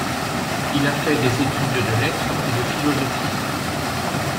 Il a fait des études de lettres et de philosophie.